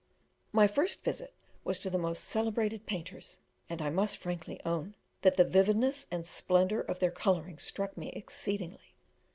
My first visit was to the most celebrated painters, and I must frankly own, that the vividness and splendour of their colouring struck me exceedingly.